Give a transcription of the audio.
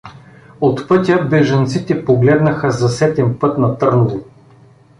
От пътя бежанците погледнаха за сетен път на Търново.